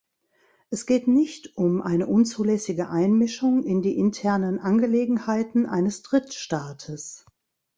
Es geht nicht um eine unzulässige Einmischung in die internen Angelegenheiten eines Drittstaates.